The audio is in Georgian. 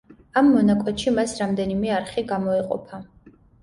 ამ მონაკვეთში მას რამდენიმე არხი გამოეყოფა.